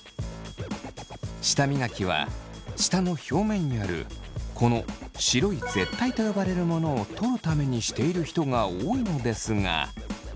舌磨きは舌の表面にあるこの白い舌苔と呼ばれるものを取るためにしている人が多いのですが。